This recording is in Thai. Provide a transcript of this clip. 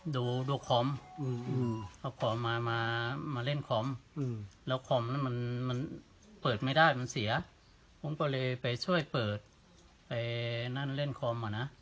ดูคอมเอาของมามาเล่นคอมแล้วคอมนั้นมันเปิดไม่ได้มันเสียผมก็เลยไปช่วยเปิดไปนั่นเล่นคอมอ่ะนะ